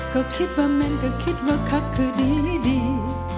ก็คิดว่าแม่นก็คิดว่าคักคือดีให้ดี